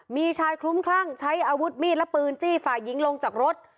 มีชายคลุ้มคลั่งใช้อาวุธมีดและปืนจี้ฝ่ายหญิงลงจากรถ